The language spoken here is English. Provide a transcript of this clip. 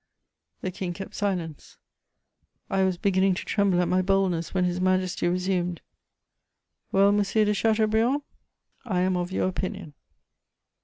The King kept silence; I was beginning to tremble at my boldness, when His Majesty resumed: "Well, Monsieur de Chateaubriand, I am of your opinion."